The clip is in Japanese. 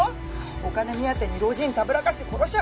お金目当てに老人たぶらかして殺しちゃう話！